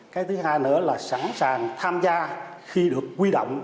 cái thứ hai nữa là sẵn sàng tham gia khi được quy động